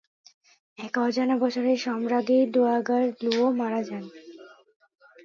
এক অজানা বছরে সম্রাজ্ঞী ডোয়াগার লুও মারা যান।